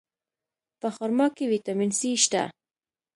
په خرما کې ویټامین C شته.